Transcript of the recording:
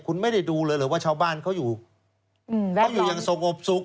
คุณไม่ได้ดูเลยเหรอว่าชาวบ้านเขาอยู่แล้วเขาอยู่อย่างสงบสุข